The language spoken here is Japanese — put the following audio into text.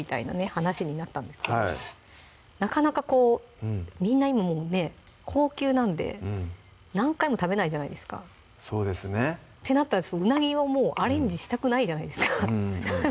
話になったんですけどなかなかこうみんな今もうね高級なんで何回も食べないじゃないですかそうですねってなったらうなぎをもうアレンジしたくないじゃないですか